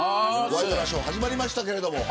ワイドナショー始まりました。